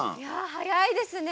早いですね。